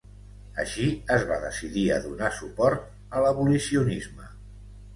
Així, es va decidir a donar suport a l'abolicionisme.